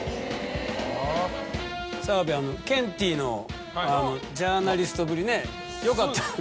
澤部ケンティーのジャーナリストぶりねよかったですね。